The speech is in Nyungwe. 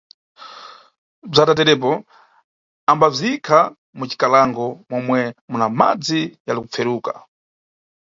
Bzata terepo ambaziyikha mucikalango momwe muna madzi yali kupferuka.